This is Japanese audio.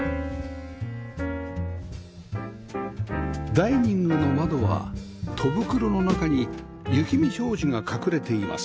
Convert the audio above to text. ダイニングの窓は戸袋の中に雪見障子が隠れています